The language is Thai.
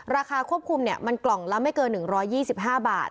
ราคาควบคุมมันกล่องละไม่เกิน๑๒๕บาท